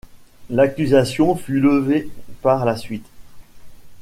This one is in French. L'accusation fut levée par la suite.